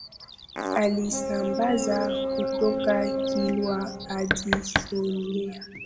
Aliisambaza kutoka Kilwa hadi Songea